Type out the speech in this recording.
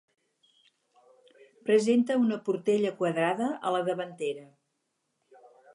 Presenta una portella quadrada a la davantera.